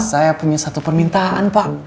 saya punya satu permintaan pak